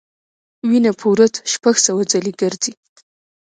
وینه په ورځ شپږ سوه ځلې ګرځي.